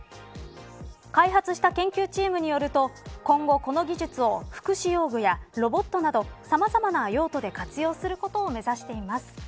開発した研究チームによると今後、この技術を福祉用具やロボットなど、さまざまな用途で活用することを目指しています。